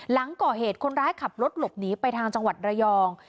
หลังก่อเหตุคนร้ายขับรถหลบหนีไปทางจังหวัดระยอง